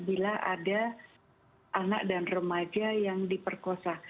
bila ada anak dan remaja yang diperkosa